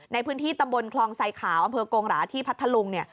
ในพื้นที่ตำบลคลองไซขาวอำเภอกงหราที่พัทธลุงเนี่ย